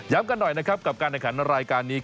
ย้ำกันหน่อยกลับการนี้ในรายการ